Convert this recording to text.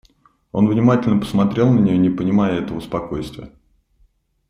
Он внимательно посмотрел на нее, не понимая этого спокойствия.